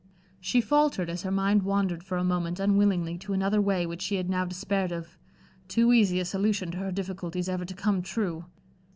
She faltered as her mind wandered for a moment unwillingly to another way which she had now despaired of too easy a solution to her difficulties ever to come true.